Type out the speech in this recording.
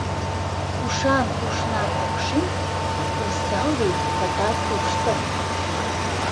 Кушан ушна кок шӱм — осал вий пыта тушто.